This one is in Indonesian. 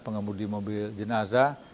pengemudi mobil jenazah